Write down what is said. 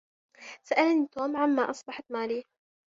سألني توم عما أصبحت ماري.